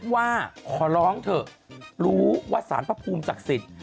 ว่าขอร้องเถอะรู้ว่าสารพระภูมิศักดิ์สิทธิ์